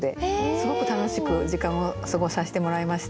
すごく楽しく時間を過ごさせてもらいました。